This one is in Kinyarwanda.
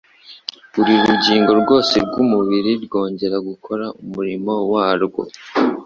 buri rugingo rwose rw'umubiri rwongera gukora umurimo warwo.